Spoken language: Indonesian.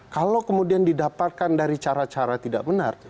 kalau kemudian didapatkan dari cara cara tidak benar